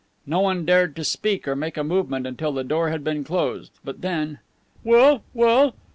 No one dared to speak or make a movement until the door had been closed. But then: "Well? Well?